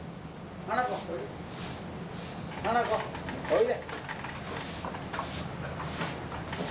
おいで。